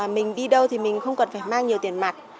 mình đi đâu thì mình không cần phải mang nhiều tiền mặt